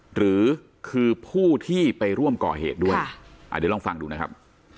หรือคือผู้ที่ไปร่วมก่อเหตุด้วยเดี๋ยวลองฟังดูนะครับ